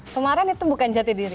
kemarin itu bukan jati diri